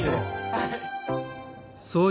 はい。